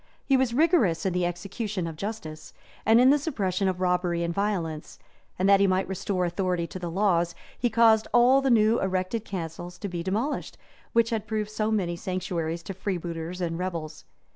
He was rigorous in the execution of justice, and in the suppression of robbery and violence; and that he might restore authority to the laws, he caused all the new erected castles to be demolished, which had proved so many sanctuaries to freebooters and rebels.